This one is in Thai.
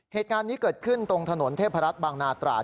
เหตุการณ์นี้เกิดขึ้นตรงถนนเทพรัฐบางนาตราด